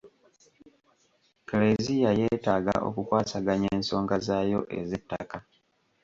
Kleziya yeetaaga okukwasaganya ensonga zaayo ez'ettaka.